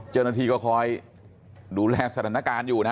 เจ้าหน้าที่ก็คอยดูแลสถานการณ์อยู่นะ